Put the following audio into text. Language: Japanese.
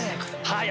はい。